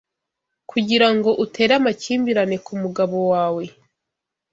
Kugirango utere amakimbirane kumugabo wawe